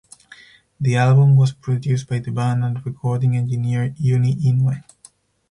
The album was produced by the band and recording engineer Uni Inoue.